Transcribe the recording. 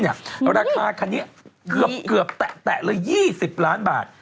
ราคาคันนี้เกือบแตะเลย๒๐ล้านบาท